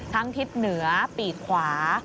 ทั้งทิศเหนือปีกขวา